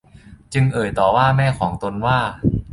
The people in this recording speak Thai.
จึงเอ่ยต่อว่าแม่ของตนว่า